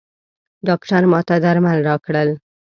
ډاکټر ماته درمل راکړل.